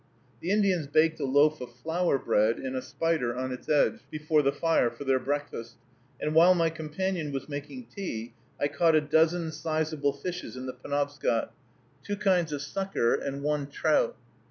The Indians baked a loaf of flour bread in a spider on its edge before the fire for their breakfast; and while my companion was making tea, I caught a dozen sizable fishes in the Penobscot, two kinds of sucker and one trout.